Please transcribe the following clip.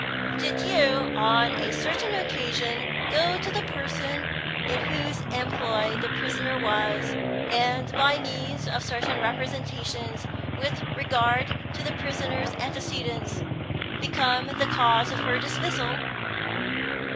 "Did you on a certain occasion go to the person in whose employ the prisoner was, and, by means of certain representations with regard to the prisoner's antecedents, become the cause of her dismissal?"